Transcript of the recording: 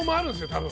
多分。